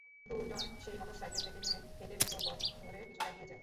দুজন সেই মোটরসাইকেল থেকে নেমে হেঁটে মেঠোপথ ধরে কিছুটা এগিয়ে যায়।